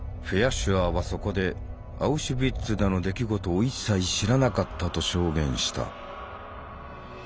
シュアーはそこで「アウシュビッツでの出来事を一切知らなかった」と証言した。